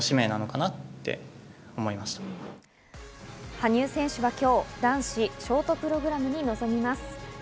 羽生選手は今日、男子ショートプログラムに臨みます。